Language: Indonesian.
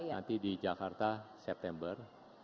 nanti di jakarta september